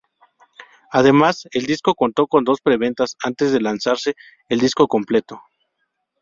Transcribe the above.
Además el disco contó con dos preventas antes de lanzarse el disco completo.